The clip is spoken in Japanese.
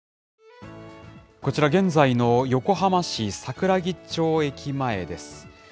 こちら、現在の横浜市桜木町駅前です。